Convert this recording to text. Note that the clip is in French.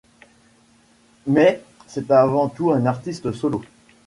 Mais c’est avant tout un artiste solo.